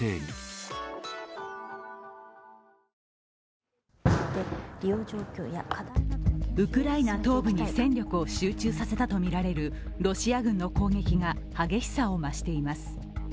ウクライナ東部に戦力を集中させたとみられるロシア軍の攻撃が激しさを増しています。